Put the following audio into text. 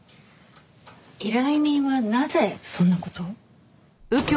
依頼人はなぜそんな事を？